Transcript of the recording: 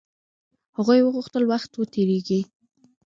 هغوی غوښتل وخت و تېريږي.